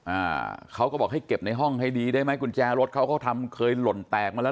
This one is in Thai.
อ่าเขาก็บอกให้เก็บในห้องให้ดีได้ไหมกุญแจรถเขาก็ทำเคยหล่นแตกมาแล้ว